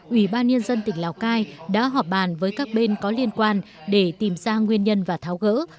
ủy ban nhân dân tỉnh lào cai đã họp bàn với các bên có liên quan để tìm ra nguyên nhân và tháo gỡ